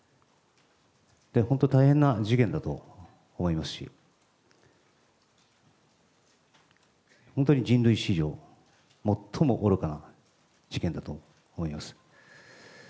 本当、大変な事件だと思いますし、本当に人類史上最も愚かな事件だと思います。